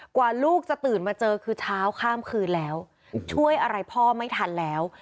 กว่าลูกจะตื่นมาเจอคือเช้าข้ามคืนแล้วช่วยอะไรพ่อไม่ทันแล้ว